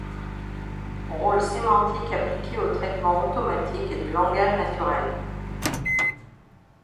Rôle sémantique appliqué au traitement automatique du langage naturel.